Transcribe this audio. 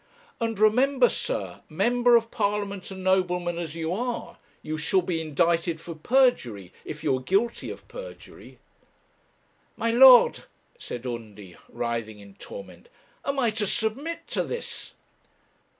'And remember, sir, member of Parliament and nobleman as you are, you shall be indicted for perjury, if you are guilty of perjury.' 'My lord,' said Undy, writhing in torment, 'am I to submit to this?'